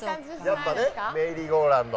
やっぱねメリーゴーランド